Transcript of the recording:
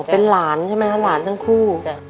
เป็นหลานใช่ไหมคะหลานทั้งคู่